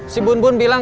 si bun bun bilang